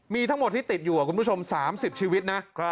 มีทั้งหมดที่ติดอยู่คุณผู้ชม๓๐ชีวิตนะ